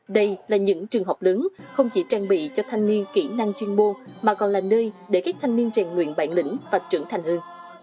đây là những trường học lớn không chỉ trang bị cho thanh niên kỹ năng chuyên mô mà còn là nơi để các thanh niên trang nguyện bản lĩnh và trưởng thành hơn